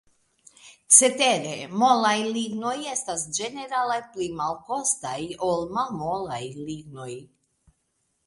Cetere, molaj lignoj estas ĝenerale malpli kostaj ol malmolaj lignoj.